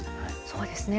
そうですね。